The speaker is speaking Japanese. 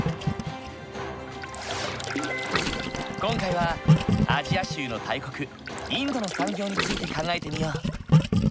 今回はアジア州の大国インドの産業について考えてみよう。